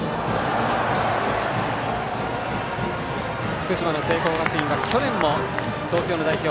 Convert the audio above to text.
福島の聖光学院は去年も東京の代表